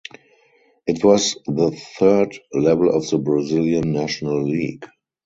It was the third level of the Brazilian National League.